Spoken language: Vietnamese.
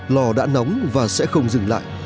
lò đã nóng và sẽ không dừng lại